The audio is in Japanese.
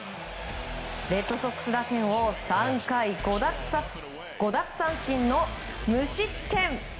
レッドソックス打線を３回５奪三振の無失点。